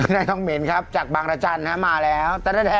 นายทองเหม็นครับจากบางรจันทร์มาแล้ว